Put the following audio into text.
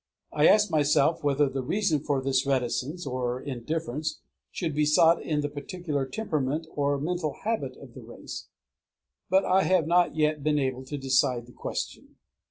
I asked myself whether the reason for this reticence or indifference should be sought in the particular temperament or mental habit of the race; but I have not yet been able to decide the question.